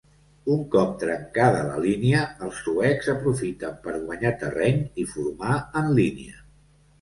Un cop trencada la línia, els suecs aprofiten per guanyar terreny i formar en línia.